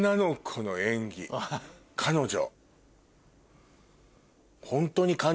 彼女。